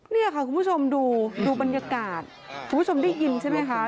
นี่ค่ะคุณผู้ชมดูดูบรรยากาศคุณผู้ชมได้ยินใช่ไหมคะ